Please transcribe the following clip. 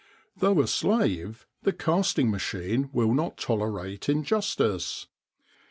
Though a slave the casting machine will not tolerate injustice.